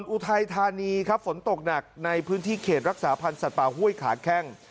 อุทัยธานีครับฝนตกหนักในพื้นที่เขตรักษาพันธ์สัตว์ป่าห้วยขาแข้ง